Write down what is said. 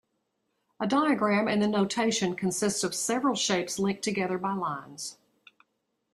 A diagram in the notation consists of several shapes linked together by lines.